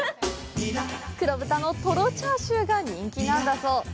黒豚のトロチャーシューが人気なんだそう。